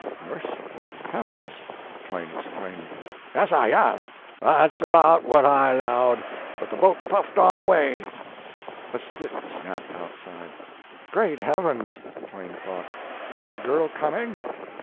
* Merciful heavens !" Twain exclaimed. "Yas, sah, yas; that s erbout whut I lowed, but the boat puffed on away." A stick snapped outside. "Great heavens!" Twain thought, "is the girl coming?"